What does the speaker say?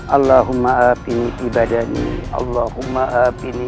allahumma a'afini ibadani allahumma a'afini